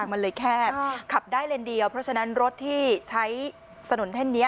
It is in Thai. มันเลยแคบขับได้เลนเดียวเพราะฉะนั้นรถที่ใช้ถนนเส้นนี้